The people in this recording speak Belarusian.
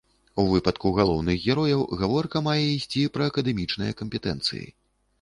У выпадку галоўных герояў гаворка мае ісці пра акадэмічныя кампетэнцыі.